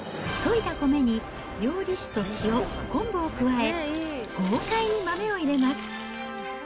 といだ米に料理酒と塩、昆布を加え、豪快に豆を入れます。